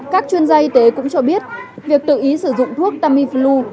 các chuyên gia y tế cũng cho biết việc tự ý sử dụng thuốc tamiflu